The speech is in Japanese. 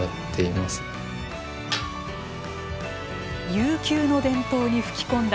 悠久の伝統に吹き込んだ